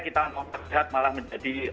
kita mau sehat malah menjadi